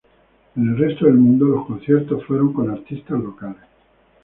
En el resto del mundo, los conciertos fueron con artistas locales.